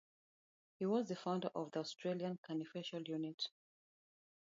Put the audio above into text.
He was the founder of the Australian Craniofacial Unit.